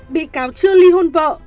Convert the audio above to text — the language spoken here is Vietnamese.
bị cáo chưa ly hôn vợ